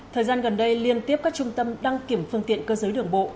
thời gian gần đây liên tiếp các trung tâm đăng kiểm phương tiện cơ giới đường bộ